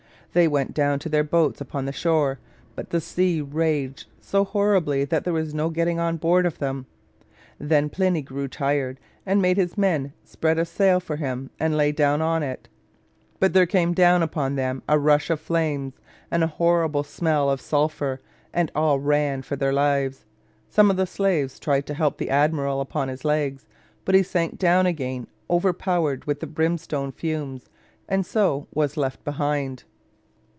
They went down to their boats upon the shore; but the sea raged so horribly that there was no getting on board of them. Then Pliny grew tired, and made his men spread a sail for him, and lay down on it; but there came down upon them a rush of flames, and a horrible smell of sulphur, and all ran for their lives. Some of the slaves tried to help the Admiral upon his legs; but he sank down again overpowered with the brimstone fumes, and so was left behind.